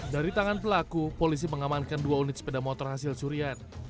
dari tangan pelaku polisi mengamankan dua unit sepeda motor hasil curian